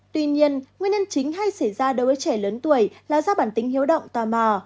tuy nhiên nguyên nhân chính hay xảy ra đối với trẻ lớn tuổi là do bản tính hiếu động tò mò